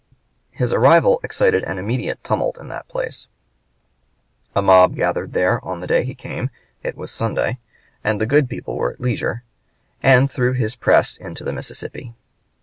His arrival excited an immediate tumult in that place; a mob gathered there on the day he came it was Sunday, and the good people were at leisure and threw his press into the Mississippi.